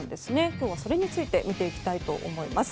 今日はそれについて見ていきたいと思います。